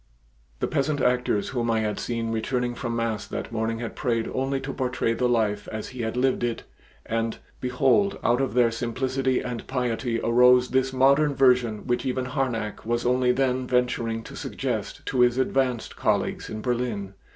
The peasant actors whom I had seen returning from mass that morning had prayed only to portray the life as He had lived it and, behold, out of their simplicity and piety arose this modern version which even Harnack was only then venturing to suggest to his advanced colleagues in Berlin.